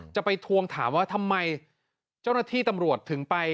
ไปทวงถามว่าทำไมเจ้าหน้าที่ตำรวจถึงไป